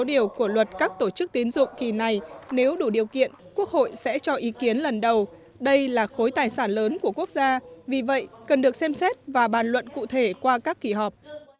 điều của luật các tổ chức tín dụng kỳ này nếu đủ điều kiện quốc hội sẽ cho ý kiến lần đầu đây là khối tài sản lớn của quốc gia vì vậy cần được xem xét và bàn luận cụ thể qua các kỳ họp